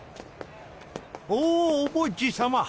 おおボッジ様。